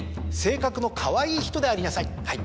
はい。